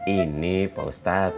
ini pak ustadz